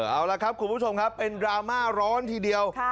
เอาละครับคุณผู้ชมครับเป็นดราม่าร้อนทีเดียว